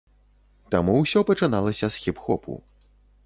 Таму ўсё пачыналася з хіп-хопу.